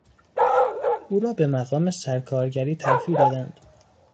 او را به مقام سرکارگری ترفیع دادند.